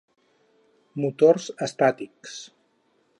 Motors estàtics.